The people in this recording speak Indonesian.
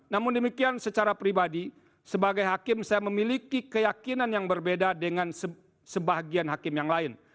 namun demikian secara pribadi sebagai hakim saya memiliki keyakinan yang berbeda dengan sebagian hakim yang lain